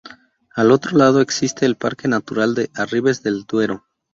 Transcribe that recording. Al otro lado existe el parque natural de Arribes del Duero.